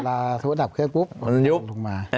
เวลาศัพท์ดับเครื่องปุ๊บมันยุบถูกมา